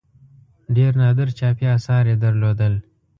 ډېر نادر چاپي آثار یې درلودل.